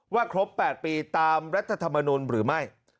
ครบ๘ปีตามรัฐธรรมนุนหรือไม่